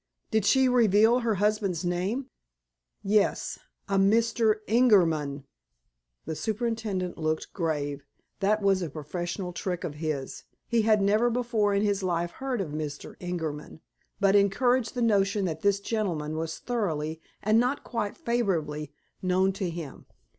"Did she reveal her husband's name?" "Yes—a Mr. Ingerman." The superintendent looked grave. That was a professional trick of his. He had never before in his life heard of Mr. Ingerman, but encouraged the notion that this gentleman was thoroughly, and not quite favorably, known to him.